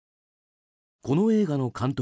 この映画の監督